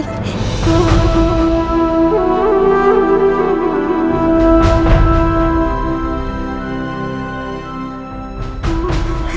raka sudah meninggal